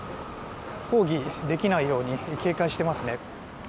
抗議できないように警戒してますね。